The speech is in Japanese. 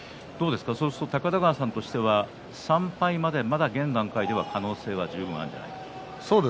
高田川さんとしては３敗まで、まだ現段階では十分あるんじゃないかと。